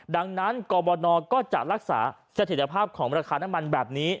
ดังนั้นกรบนก็จะรักษาสถิตภาพของราคาน้ำมันแบบนี้